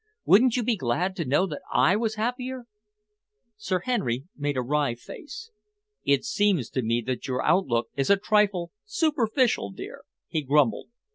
Wouldn't you be glad to know that I was happier?" Sir Henry made a wry face. "It seems to me that your outlook is a trifle superficial, dear," he grumbled.